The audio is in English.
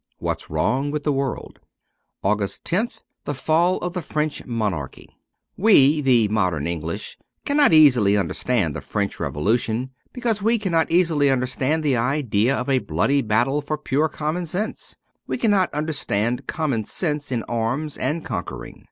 ' What's Wrong with the World,' 247 AUGUST loth THE FALL OF THE FRENCH MONARCHY WE, the modern English, cannot easily under stand the French Revolution, because we cannot easily understand the idea of a bloody battle for pure common sense ; we cannot understand common sense in arms and conquering.